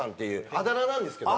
あだ名なんですけど。